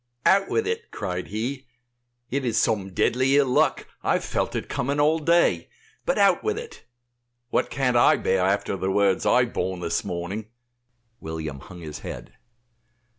"Out with it," cried he, "it is some deadly ill luck; I have felt it coming all day, but out with it; what can't I bear after the words I have borne this morning?" William hung his head.